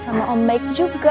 sama om baik juga